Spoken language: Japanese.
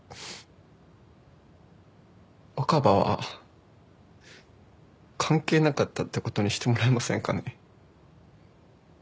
若葉は関係なかったって事にしてもらえませんかね？